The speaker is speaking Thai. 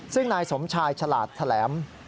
ซึ่งนายสมชายฉลาดแถลง